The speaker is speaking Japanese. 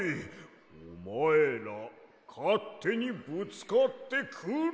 おまえらかってにぶつかってくるな！